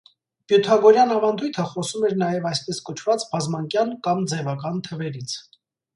Պյութագորյան ավանդույթը խոսում էր նաև այսպես կոչված բազմանկյան կամ ձևական թվերից։